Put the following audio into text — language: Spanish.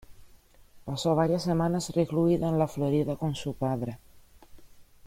Pasó varias semanas recluida en la Florida con su padre.